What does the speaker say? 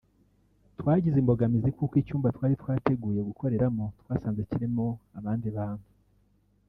Twagize imbogamizi kuko icyumba twari twateguye gukoreramo twasanze kirimo abandi bantu